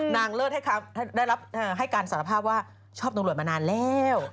เลิศได้รับให้การสารภาพว่าชอบตำรวจมานานแล้ว